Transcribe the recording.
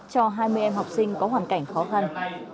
cho hai mươi em học sinh có hoàn cảnh khó khăn